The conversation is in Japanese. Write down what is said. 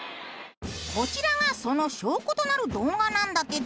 こちらがその証拠となる動画なんだけど。